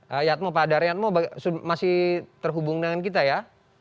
pak yatmo pak daryatmo masih terhubung dengan kita ya